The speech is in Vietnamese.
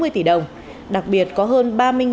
sáu mươi tỷ đồng đặc biệt có hơn